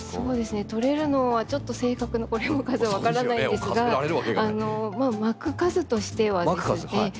取れるのはちょっと正確なこれも数は分からないんですがまく数としてはですね